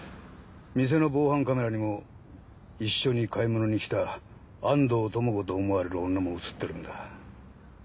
店の防犯カメラにも一緒に買い物に来た安藤智子と思われる女も映ってるんだ。